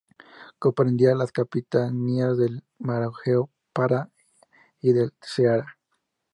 Comprendía las capitanías del Maranhão, Pará y del Ceará.